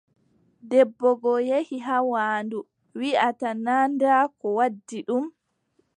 Debbo goo yehi haa waandu, wiʼata naa ndaa ko waddi ɗum.